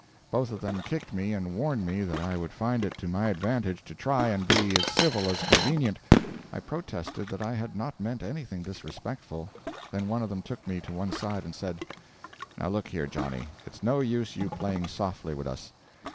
Both of them kicked me and warned me that I would find it to my advantage to try and be as civil as convenient. I protested that I had not meant anything disrespectful. Then one of them took me to one side and said: "Now look here, Johnny, it's no use you playing softy wid us.